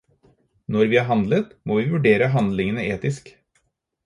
Når vi har handlet, må vi vurdere handlingene etisk.